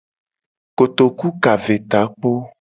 Kotoku ka ve takpo.